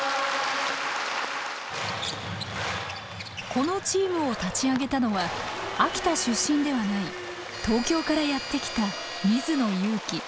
このチームを立ち上げたのは秋田出身ではない東京からやって来た水野勇気。